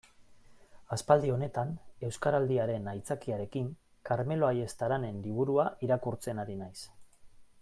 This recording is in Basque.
Aspaldi honetan, Euskaraldiaren aitzakiarekin, Karmelo Ayestaren liburua irakurtzen ari naiz.